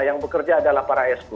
yang bekerja adalah para sp